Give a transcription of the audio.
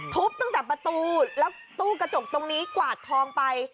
ทุบตั้งแต่ประตูแล้วตู้กระจกตรงนี้กวาดทองไป